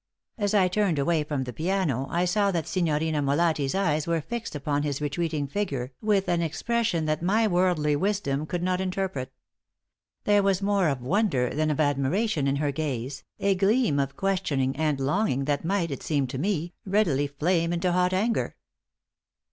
As I turned away from the piano I saw that Signorina Molatti's eyes were fixed upon his retreating figure with an expression that my worldly wisdom could not interpret. There was more of wonder than of admiration in her gaze, a gleam of questioning and longing that might, it seemed to me, readily flame into hot anger.